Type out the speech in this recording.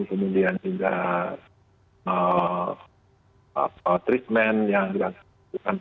kemudian juga treatment yang kita lakukan